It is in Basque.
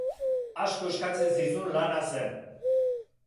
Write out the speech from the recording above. Asko eskatzen zizun lana zen.